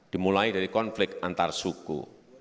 dimulai dari konflik antarsuku